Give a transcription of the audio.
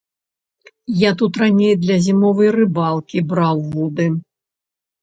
Я тут раней для зімовай рыбалкі браў вуды.